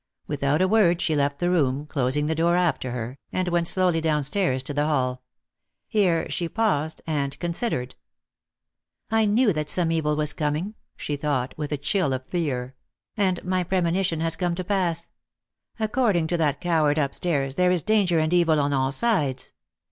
Without a word she left the room, closing the door after her, and went slowly downstairs to the hall. Here she paused and considered. "I knew that some evil was coming," she thought, with a chill of fear, "and my premonition has come to pass. According to that coward upstairs, there is danger and evil on all sides.